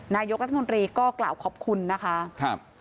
นายกรัฐมนตรีก็กล่าวขอบคุณนะคะครับ